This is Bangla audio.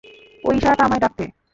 ওই ইশারাটা আমায় ডাকতে।